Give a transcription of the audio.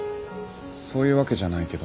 そういうわけじゃないけど。